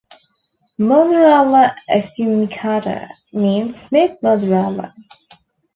"Mozzarella affumicata" means smoked mozzarella.